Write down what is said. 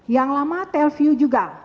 yang lama telview juga